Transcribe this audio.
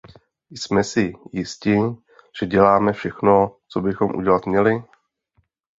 Jsme si jisti, že děláme všechno, co bychom udělat měli?